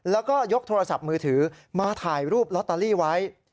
แล้วก็ยกโทรศัพท์มือถือมาถ่ายรูปลอตเตอรี่ไว้